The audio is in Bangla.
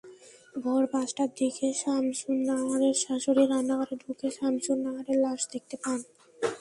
ভোর পাঁচটার দিকে সামসুন্নাহারের শাশুড়ি রান্নাঘরে ঢুকে সামসুন্নাহারের লাশ দেখতে পান।